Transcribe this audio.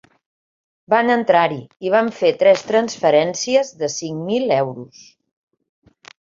Van entrar-hi i van fer tres transferències de cinc mil euros.